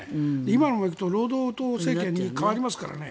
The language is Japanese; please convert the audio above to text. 今のまま行くと労働党政権に代わりますからね。